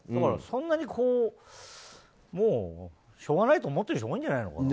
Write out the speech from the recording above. そんなにしょうがないと思っている人多いんじゃないの。